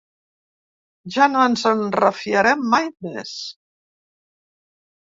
Ja no ens en refiarem mai més.